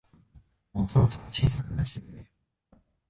もうそろそろ新作出してくれ